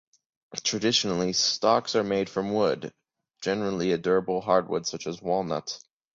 Traditionally, stocks are made from wood, generally a durable hardwood such as walnut.